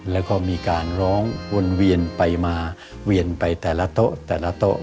แล้วก็มีการร้องวนเวียนไปมาเท่าาทะเล